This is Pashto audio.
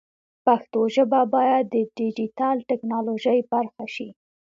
پښتو ژبه باید د ډیجیټل ټکنالوژۍ برخه شي.